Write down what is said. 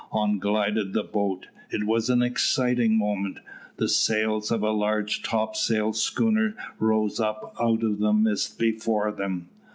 On glided the boat. It was an exciting moment. The sails of a large topsail schooner rose up out of the mist before them.